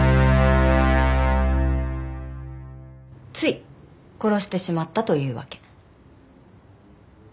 つい殺してしまったというわけ。